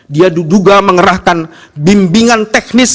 dia diduga mengerahkan bimbingan teknis